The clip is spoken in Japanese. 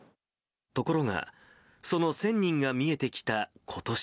ところが、その１０００人が見えてきたことし。